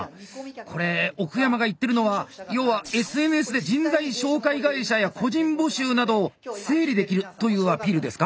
これ奥山が言ってるのは要はＳＮＳで人材紹介会社や個人募集などを整理できるというアピールですか？